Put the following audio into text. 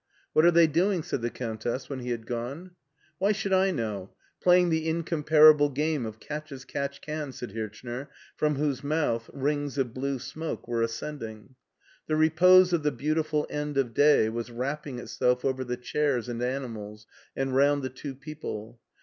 " What are they doing ?" said the Countess, when he had gone. "Why should I know ?— playing the incomparable game of catch as catch can," said Hirchner, irom whose mouth rings of blue smoke were ascending. The repose of the beautiful end of day was wrapping itself over the chairs and animals and round the two people.